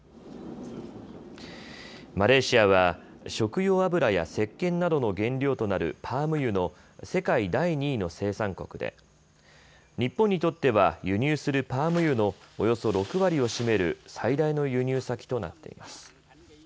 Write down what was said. マレーシアは食用油やせっけんなどの原料となるパーム油の世界第２位の生産国で日本にとっては輸入するパーム油のおよそ６割を占める最大の輸入先となっています。